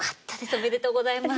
おめでとうございます。